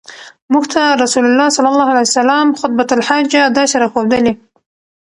مونږ ته رسول الله صلی الله عليه وسلم خُطْبَةَ الْحَاجَة داسي را ښودلي